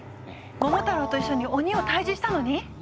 桃太郎と一緒に鬼を退治したのに？